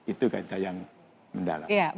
itu kita yang mendalam